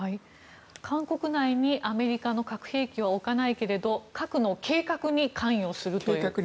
韓国内に、アメリカの核兵器は置かないけども核の計画に関与すると。